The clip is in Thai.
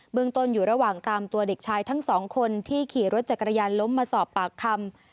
เมืองต้นอยู่ระหว่างตามตัวเด็กชายทั้งสองคนที่ขี่รถจักรยานล้มมาสอบปากคำ